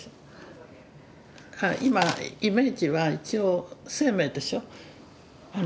今イメージは一応生命でしょ。